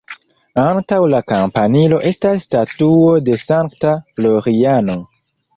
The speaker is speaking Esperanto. Antaŭ la kampanilo estas statuo de Sankta Floriano.